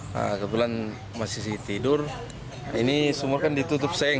nah kebetulan masih tidur ini sumur kan ditutup seng